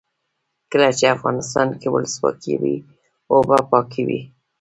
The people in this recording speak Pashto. کله چې افغانستان کې ولسواکي وي اوبه پاکې وي.